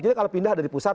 jadi kalau pindah dari pusat